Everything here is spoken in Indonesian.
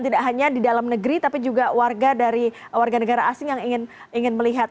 tidak hanya di dalam negeri tapi juga warga dari warga negara asing yang ingin melihat